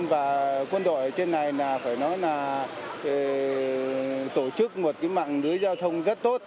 và quân đội trên này là phải nói là tổ chức một cái mạng đuối giao thông rất tốt